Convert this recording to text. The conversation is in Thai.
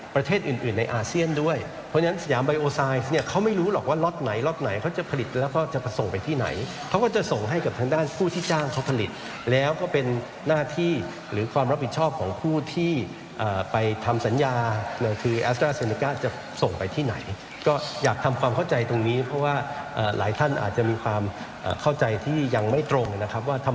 ประเทศอื่นอื่นในอาเซียนด้วยเพราะฉะนั้นสยามไบโอไซส์เนี่ยเขาไม่รู้หรอกว่าล็อตไหนล็อตไหนเขาจะผลิตแล้วก็จะส่งไปที่ไหนเขาก็จะส่งให้กับทางด้านผู้ที่จ้างเขาผลิตแล้วก็เป็นหน้าที่หรือความรับผิดชอบของผู้ที่ไปทำสัญญาคือแอสตราเซเนก้าจะส่งไปที่ไหนก็อยากทำความเข้าใจตรงนี้เพราะว่าหลายท่านอาจจะมีความเข้าใจที่ยังไม่ตรงนะครับว่าทำ